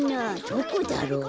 どこだろう？